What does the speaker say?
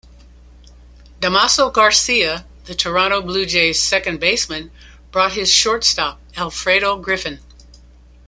Damaso Garcia, the Toronto Blue Jays' second baseman, brought his shortstop, Alfredo Griffin.